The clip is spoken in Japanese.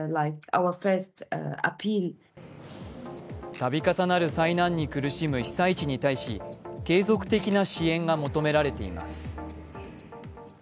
度重なる災難に苦しむ被災地に対し継続的な支援が求められています。